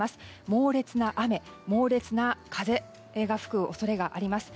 猛烈な雨、猛烈な風が吹く恐れがあります。